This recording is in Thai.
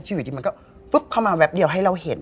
ที่อยู่ที่มันก็ปุ๊บเข้ามาแวบเดียวให้เราเห็น